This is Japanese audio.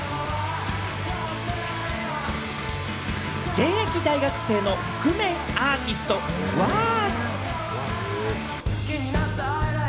現役大学生の覆面アーティスト・ＷｕｒｔＳ。